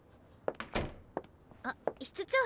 あっ室長。